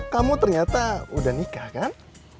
kamu ternyata udah nikah kan